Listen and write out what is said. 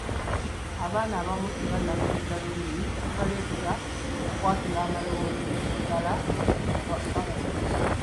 Abaana abamu tebannakaza lulimi ekibaleetera okwatula amaloboozi obulala nga babasomesa.